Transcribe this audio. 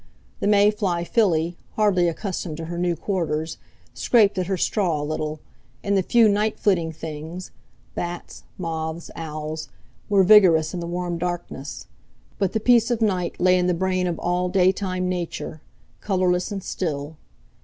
The Mayfly filly, hardly accustomed to her new quarters, scraped at her straw a little; and the few night flitting things—bats, moths, owls—were vigorous in the warm darkness; but the peace of night lay in the brain of all day time Nature, colourless and still.